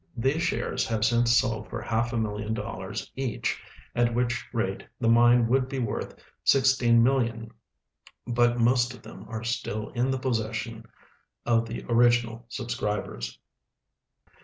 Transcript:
These shares have since sold for half a million dollars each, at Avhich rate the mine Avould 1>e AA'orth $16,000,000; Imt most of them are still in the possession of the original suliscribers.